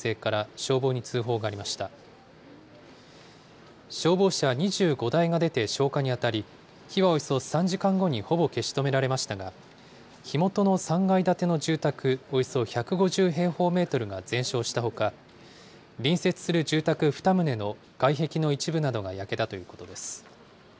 消防車２５台が出て消火に当たり、火はおよそ３時間後にほぼ消し止められましたが、火元の３階建ての住宅およそ１５０平方メートルが全焼したほか、隣接する住宅２棟の外壁の一部などが焼けたということです。